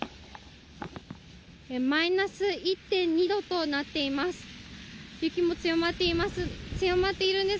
マイナス１．２度となっています。